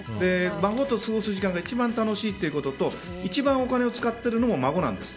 孫と過ごす時間が一番楽しいということと一番お金を使っているのも孫なんです。